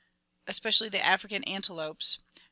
Especially the African antelopes.